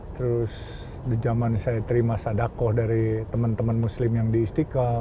terus di zaman saya terima sadakoh dari teman teman muslim yang di istiqlal